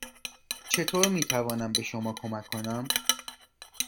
چطور می توانم به شما کمک کنم؟